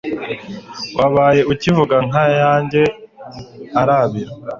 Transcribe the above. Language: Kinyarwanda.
wabaye ukivuka nka yanjye irabira